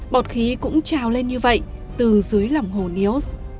bọt khí cũng trào lên như vậy từ dưới lòng hồ neos